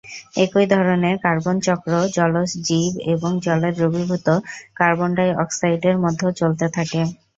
একই ধরনের কার্বন চক্র জলজ জীব এবং জলে দ্রবীভূত কার্বন ডাই অক্সাইডের মধ্যেও চলতে থাকে।